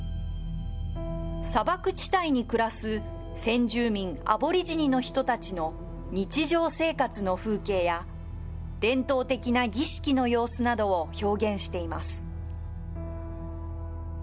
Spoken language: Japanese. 砂漠地帯に暮らす先住民アボリジニの人たちの日常生活の風景や、伝統的な儀式の様子などを表現しています。